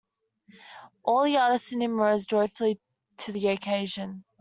All the artist in him rose joyfully to the occasion.